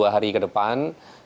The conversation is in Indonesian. dua hari ke depan